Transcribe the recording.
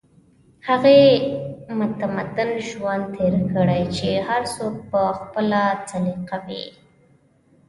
هغې متمدن ژوند تېر کړی چې هر څوک په خپله سليقه وي